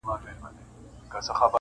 o که غزلي د شېراز لال و مرجان دي,